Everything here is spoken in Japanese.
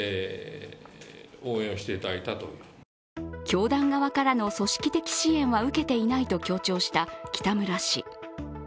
教団側からの組織的支援は受けていないと強調した北村氏。